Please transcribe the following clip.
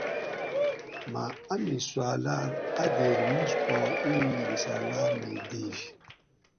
مۤہ امی سوالاۤت اۤ دیر مِیڄ پا اِیں رِساۤلاۤ مئی دِیش